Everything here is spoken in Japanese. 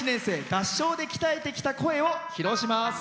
合唱で鍛えてきた声を披露します。